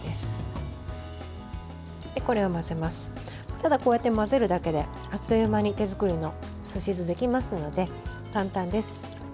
ただこうやって混ぜるだけであっという間に手作りのすし酢ができますので簡単です。